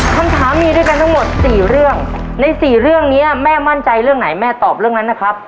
คำถามมีด้วยกันทั้งหมดสี่เรื่องในสี่เรื่องนี้แม่มั่นใจเรื่องไหนแม่ตอบเรื่องนั้นนะครับ